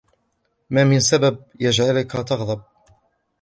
ما من سبب يجعلك تغضب.